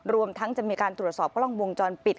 รวมทั้งจะมีการตรวจสอบกล้องวงจรปิด